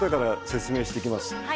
説明していきます。